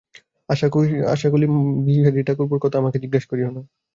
আশা কহিল, মাসি, বিহারী-ঠাকুরপোর কথা আমাকে জিজ্ঞাসা করিয়ো না।